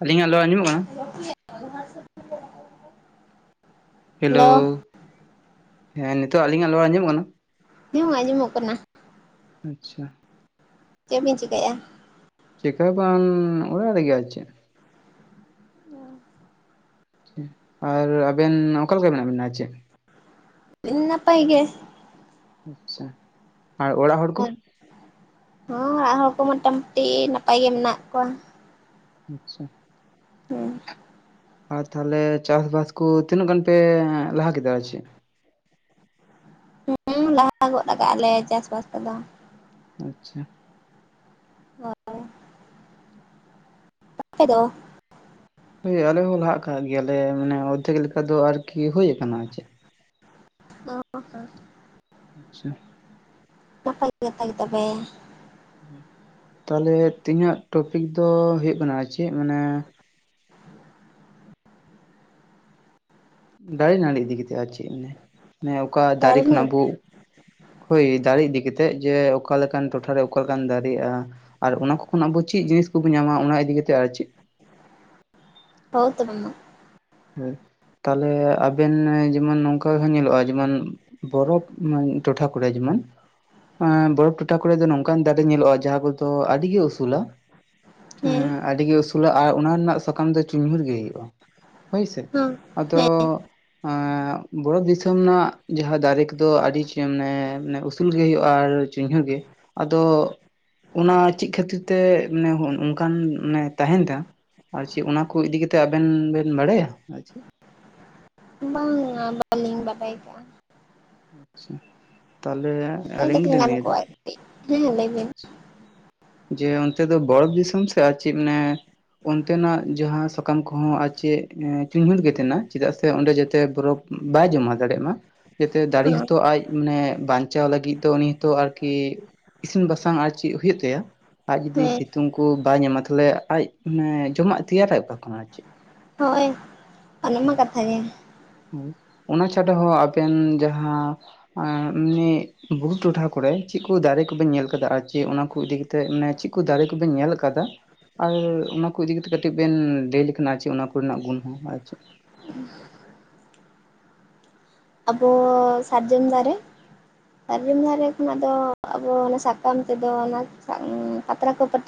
ᱟᱹᱞᱤᱧᱟᱜ ᱞᱚ ᱟᱸᱡᱚᱢᱚᱜ ᱠᱟᱱᱟ? [inaudible] ᱦᱮᱞᱳ, ᱦᱮᱸ ᱱᱤᱛᱚᱜ ᱟᱹᱞᱤᱧᱟᱜ ᱞᱚᱲ ᱟᱸᱡᱚᱢᱚᱜ ᱠᱟᱱᱟ? ᱦᱮᱸᱭᱩ ᱟᱸᱡᱚᱢᱚᱜ ᱠᱟᱱᱟ᱾ ᱟᱪᱪᱷᱟ᱾ ᱪᱮᱫ ᱵᱤᱱ ᱪᱤᱠᱟᱭᱮᱜᱼᱟ? ᱪᱮᱠᱟᱹ ᱦᱚᱸ ᱵᱟᱝ, ᱚᱲᱟᱜ ᱨᱮᱜᱮ ᱟᱨ ᱪᱮᱜ᱾ ᱦᱩᱸ᱾ ᱟᱨ ᱟᱵᱮᱱ ᱚᱠᱟ ᱞᱮᱠᱟ ᱢᱮᱱᱟᱜ ᱵᱮᱱᱟ ᱟᱨ ᱪᱮᱫ? ᱤᱱ ᱱᱟᱯᱟᱭ ᱜᱮ᱾ ᱟᱪᱪᱷᱟ ᱟᱨ ᱚᱲᱟᱜ ᱦᱚᱲ ᱠᱚ? ᱦᱚᱸ ᱚᱲᱟᱜ ᱦᱚᱲ ᱠᱚ ᱢᱚᱴᱟᱢᱩᱴᱤ ᱱᱟᱯᱟᱭ ᱜᱮ ᱢᱮᱱᱟᱜ ᱠᱚᱣᱟ᱾ ᱟᱪᱪᱷᱟ᱾ ᱦᱩᱸ᱾ ᱟᱨ ᱛᱟᱦᱞᱮ ᱪᱟᱥᱵᱟᱥ ᱠᱚ ᱛᱤᱱᱟᱹᱜ ᱜᱟᱱ ᱯᱮ ᱞᱟᱦᱟ ᱠᱮᱫᱟ ᱟᱨ ᱪᱮᱫ? ᱦᱮᱸ ᱞᱟᱦᱟ ᱜᱚᱫ ᱠᱟᱜ-ᱟ ᱞᱮ ᱪᱟᱥᱵᱟᱥ ᱠᱚᱫᱚ᱾ ᱟᱪᱪᱷᱟ᱾ ᱦᱳᱭ᱾ ᱟᱯᱮ ᱫᱚ? ᱦᱳᱭ ᱟᱞᱮ ᱦᱚᱸ ᱞᱟᱦᱟᱜ ᱟᱠᱟᱜ ᱜᱮᱭᱟᱞᱮ ᱢᱟᱱᱮ ᱚᱫᱫᱷᱮᱠ ᱞᱮᱠᱟ ᱫᱚ ᱟᱨᱠᱤ ᱦᱩᱭ ᱟᱠᱟᱱᱟ ᱟᱨ ᱪᱮᱫ᱾ [inaudible] ᱟᱪᱪᱷᱟ᱾ ᱱᱟᱯᱟᱭ ᱠᱟᱛᱷᱟ ᱜᱮ ᱛᱚᱵᱮ᱾ ᱛᱟᱞᱦᱮ ᱛᱤᱦᱤᱧᱟᱜ ᱴᱚᱯᱤᱠ ᱫᱚ ᱦᱩᱭᱩᱜ ᱠᱟᱱᱟ [inaudible] ᱪᱮᱫ ᱢᱟᱱᱮ [inaudible] ᱫᱟᱨᱮ ᱱᱟᱹᱲᱤ ᱤᱫᱤ ᱠᱟᱛᱮᱜ ᱟᱨ ᱪᱮᱫ ᱢᱟᱱᱮ, ᱢᱟᱱᱮ ᱚᱠᱟ ᱫᱟᱨᱮ ᱠᱷᱚᱱᱟᱜ ᱵᱚ ᱦᱳᱭ ᱫᱟᱨᱮ ᱤᱫᱤ ᱠᱟᱛᱮᱜ ᱡᱮ ᱚᱠᱟ ᱞᱮᱠᱟᱱ ᱴᱚᱴᱷᱟᱨᱮ ᱚᱠᱟ ᱞᱮᱠᱟᱱ ᱫᱟᱨᱮᱜᱼᱟ? ᱟᱨ ᱚᱱᱟ ᱠᱚ ᱠᱷᱚᱱ ᱟᱵᱚ ᱪᱮᱫ ᱡᱤᱱᱤᱥ ᱠᱚᱵᱚ ᱧᱟᱢᱟ ᱚᱱᱟ ᱤᱫᱤ ᱠᱟᱛᱮᱫ ᱟᱨ ᱪᱮᱫ᱾ ᱦᱳᱣ ᱛᱚᱵᱮ ᱢᱟ᱾ ᱦᱳᱭ, ᱛᱟᱦᱞᱮ ᱟᱵᱮᱱ ᱡᱮᱢᱚᱱ ᱱᱚᱝᱠᱟ ᱦᱚᱸ ᱧᱮᱞᱚᱜᱼᱟ ᱡᱮᱢᱚᱱ ᱵᱚᱨᱚᱯᱷ ᱢᱟ ᱴᱚᱴᱷᱟ ᱠᱚᱨᱮ ᱡᱮᱢᱚᱱ, ᱮᱸ ᱵᱚᱨᱚᱯᱷ ᱴᱚ ᱴᱷᱟ ᱠᱚᱨᱮ ᱫᱚ ᱱᱚᱝᱠᱟᱱ ᱫᱟᱨᱮ ᱧᱮᱞᱚᱜᱼᱟ ᱡᱟᱦᱟᱸ ᱠᱚᱫᱚ ᱟᱹᱰᱤ ᱜᱮ ᱩᱥᱩᱞᱟ, ᱦᱮᱸ ᱮᱸ ᱟᱹᱰᱤ ᱜᱮ ᱩᱥᱩ ᱥᱩᱞᱟ ᱟᱨ ᱚᱱᱟ ᱨᱮᱱᱟᱜ ᱥᱟᱠᱟᱢ ᱫᱚ [unintelligible] ᱜᱮ ᱦᱩᱭᱩᱜᱼᱟ ᱦᱳᱭ ᱥᱮ ᱦᱮᱸ ᱟᱫᱚ ᱦᱮᱸ ᱮᱸ ᱵᱟᱨᱚᱯᱷ ᱫᱤᱥᱚᱢ ᱨᱮᱱᱟᱜ ᱡᱟᱦᱟᱸ ᱫᱟᱨᱮ ᱠᱚᱫᱚ ᱟᱹᱰᱤ ᱪᱮᱱᱮ ᱢᱟᱱᱮ ᱩᱥᱩᱞ ᱜᱮ ᱦᱩᱭᱩᱜᱼᱟ ᱟᱨ [unintelligible] ᱜᱮ ᱟᱫᱚ ᱚᱱᱟ ᱪᱤᱫ ᱠᱷᱟᱹᱛᱤᱨ ᱛᱮ ᱢᱟᱱᱮ ᱦᱚᱸ ᱚᱱᱠᱟᱱ ᱛᱟᱦᱮᱱ ᱫᱟ ᱟᱨ ᱪᱮᱫ ᱚᱱᱟ ᱠᱚ ᱤᱫᱤ ᱠᱟᱛᱮᱫ ᱟᱵᱮᱱ ᱵᱮᱱ ᱵᱟᱲᱟᱭᱟ ᱟᱨ ᱪᱮᱫ? ᱚᱱᱟ ᱵᱟᱹᱞᱤᱧ ᱵᱟᱰᱟᱭ ᱠᱟᱜ-ᱟ ᱟᱪᱪᱷᱟ, ᱛᱟᱦᱚᱞᱮ ᱞᱟᱹᱭ ᱟᱹᱞᱤᱧ ᱞᱮᱠᱷᱟᱡ ᱜᱮᱞᱤᱧ ᱜᱟᱱ ᱮᱫᱟ ᱠᱚᱜ-ᱟ ᱟᱨᱠᱤ ᱦᱮᱸ ᱞᱟᱹᱭ ᱵᱤᱱ ᱟᱪᱪᱷᱟ ᱡᱮ ᱚᱱᱛᱮ ᱫᱚ ᱵᱚᱨᱚᱯᱷ ᱫᱤᱥᱚᱢ ᱥᱮ ᱟᱨ ᱪᱮᱫ ᱢᱟᱱᱮ ᱚᱱᱛᱮᱱᱟᱜ ᱡᱟᱦᱟᱸ ᱥᱟᱠᱟᱢ ᱠᱚᱦᱚᱸ ᱟᱨ ᱪᱮᱫ ᱪᱩᱭᱦᱩᱨ ᱜᱮ ᱛᱟᱦᱮᱱᱟ ᱪᱮᱫᱟᱜ ᱥᱮ ᱚᱸᱰᱮ ᱡᱟᱛᱮ ᱵᱚᱨᱚᱯᱷ ᱵᱟᱭ ᱡᱚᱢᱟ ᱫᱟᱲᱮᱭᱟᱜ ᱢᱟ᱾ ᱡᱟᱛᱮ ᱫᱟᱨᱮ ᱦᱮᱸ ᱦᱚᱛᱚ ᱟᱡ ᱢᱟᱱᱮ ᱵᱟᱧᱪᱟᱣ ᱞᱟᱹᱜᱤᱫ ᱫᱚ ᱩᱱᱤ ᱦᱚᱛᱚ ᱟᱨᱠᱤ ᱤᱥᱤᱱ ᱵᱟᱥᱟᱝ ᱟᱨ ᱪᱮᱫ ᱦᱩᱭᱩᱜ ᱛᱟᱭᱟ ᱟᱡ ᱡᱩᱫᱤ ᱦᱮᱸ ᱥᱤᱛᱩᱝ ᱠᱚ ᱵᱟᱭ ᱧᱟᱢᱟ ᱛᱟᱦᱚᱞᱮ ᱟᱡ ᱢᱟᱱᱮ ᱡᱚᱢᱟᱜ ᱛᱮᱭᱟᱨᱟᱭ ᱚᱠᱟ ᱠᱷᱚᱱᱟᱜ ᱟᱨ ᱪᱮᱫ ᱦᱳᱭ ᱚᱱᱟ ᱢᱟ ᱠᱟᱛᱷᱟ ᱜᱮ ᱾ ᱚᱱᱟ ᱪᱷᱟᱰᱟ ᱦᱚᱸ ᱟᱵᱮᱱ ᱡᱟᱦᱟᱸ ᱟᱨ ᱮᱢᱱᱤ ᱵᱩᱨᱩ ᱴᱚᱴᱷᱟ ᱠᱚᱨᱮ ᱪᱮᱫᱠᱩ ᱫᱟᱨᱮ ᱠᱚᱵᱮᱱ ᱧᱮᱞ ᱟᱠᱟᱫᱟ ᱟᱨ ᱪᱮᱫ ᱚᱱᱟᱠᱩ ᱤᱫᱤ ᱠᱟᱛᱮᱫ ᱛᱮ ᱢᱟᱱᱮ ᱪᱮᱫ ᱠᱚ ᱫᱟᱨᱮ ᱠᱚᱵᱮᱱ ᱧᱮᱞ ᱟᱠᱟᱫᱟ? ᱟᱨ ᱚᱱᱟ ᱠᱚ ᱤᱫᱤ ᱠᱟᱛᱮ ᱠᱟᱹᱴᱤᱡ ᱵᱮᱱ ᱞᱟᱹᱭ ᱞᱮᱠᱷᱟᱱ ᱟᱨ ᱚᱱᱟ ᱠᱚᱨᱮᱱᱟᱜ ᱜᱩᱱ ᱦᱚᱸ ᱟᱨ ᱪᱮᱫ? ᱟᱵᱚ ᱥᱟᱨᱡᱚᱢ ᱫᱟᱨᱮ ᱟᱵᱤᱱ ᱫᱷᱟᱨᱮ ᱠᱷᱚᱱᱟᱜ ᱫᱚ ᱟᱵᱚ ᱚᱱᱟ ᱥᱟᱠᱟᱢ ᱛᱮᱫᱚ ᱚᱱᱟ ᱯᱟᱛᱲᱟ ᱠᱚ ᱯᱟᱴᱤ